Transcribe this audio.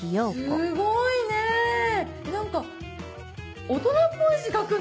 すごいね何か大人っぽい字書くね。